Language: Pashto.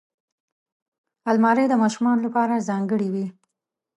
الماري د ماشومانو لپاره ځانګړې وي